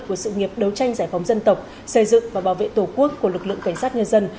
của sự nghiệp đấu tranh giải phóng dân tộc xây dựng và bảo vệ tổ quốc của lực lượng cảnh sát nhân dân